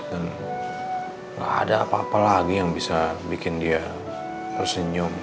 gak ada apa apa lagi yang bisa bikin dia tersenyum